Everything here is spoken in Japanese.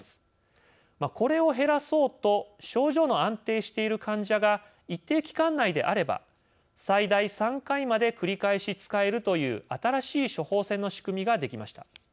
これを減らそうと症状の安定している患者が一定期間内であれば最大３回まで繰り返し使えるという新しい処方箋の仕組みができました。